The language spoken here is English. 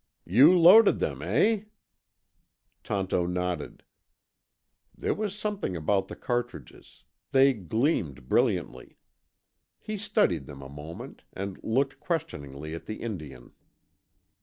"You loaded them, eh?" Tonto nodded. There was something about the cartridges they gleamed brilliantly. He studied them a moment, and looked questioningly at the Indian.